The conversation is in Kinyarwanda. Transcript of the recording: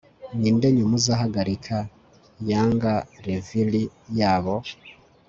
Ninde nyuma uzahagarika young reverie yabo